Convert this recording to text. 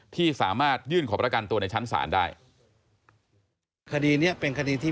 ที่สามารถยื่นขอประกันตัวในชั้นศาลได้